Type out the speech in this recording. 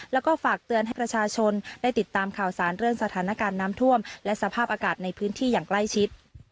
แล้วก็ฝากเตือนให้ประชาชนได้ติดตามข่าวสารเรื่องสถานการณ์น้ำท่วมและสภาพอากาศในพื้นที่อย่างใกล้ชิด